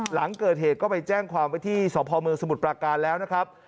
หลังเกิดเหตุก็ไปแจ้งความไว้ที่สพเมืองสมุทรปราการแล้วนะครับ